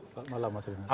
selamat malam mas rina